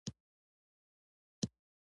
ماشومان مه تحقیروئ.